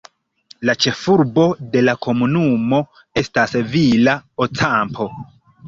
La ĉefurbo de la komunumo estas Villa Ocampo.